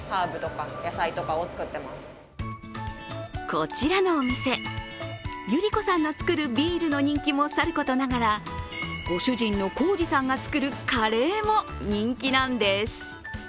こちらのお店、祐理子さんの造るビールの人気もさることながらご主人の耕史さんが作るカレーも人気なんです。